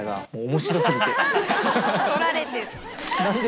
撮られてる。